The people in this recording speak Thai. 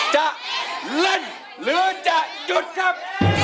จะเล่นหรือจะหยุดครับ